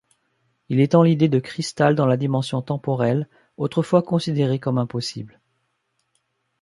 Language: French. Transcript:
Il étend l'idée de cristal dans la dimension temporelle, autrefois considéré comme impossible.